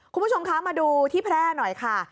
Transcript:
คุณผู้ชมคะมาดูที่แพร่หน่อยค่ะ